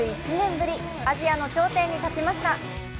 ぶりアジアの頂点に立ちました。